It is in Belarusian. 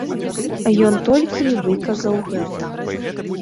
Ён толькі і выказаў гэта.